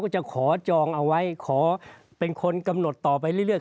จะขอจองเอาไว้ขอเป็นคนกำหนดต่อไปเรื่อย